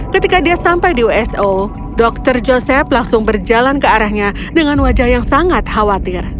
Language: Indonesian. ketika dia sampai di wso dokter joseph langsung berjalan ke arahnya dengan wajah yang sangat khawatir